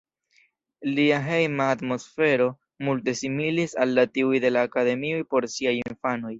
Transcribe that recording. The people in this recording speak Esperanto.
Lia hejma atmosfero multe similis al tiuj de la akademioj por siaj infanoj.